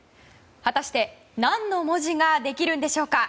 果たして何の文字ができるんでしょうか。